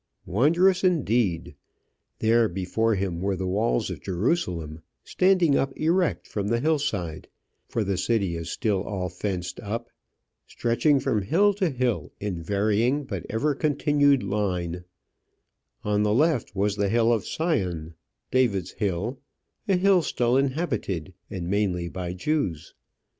Wondrous, indeed! There before him were the walls of Jerusalem, standing up erect from the hill side for the city is still all fenced up stretching from hill to hill in varying but ever continued line: on the left was the Hill of Sion, David's hill, a hill still inhabited, and mainly by Jews.